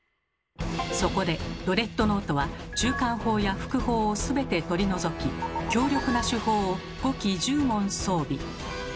そこでドレッドノートは中間砲や副砲を全て取り除き強力な主砲を５基１０門装備。